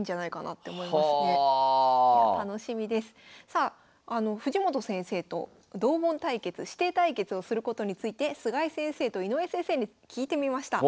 さあ藤本先生と同門対決師弟対決をすることについて菅井先生と井上先生に聞いてみました。